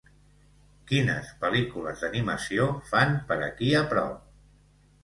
Quines pel·lícules d'animació fan per aquí a prop?